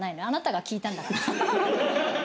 あなたが聞いたんだから。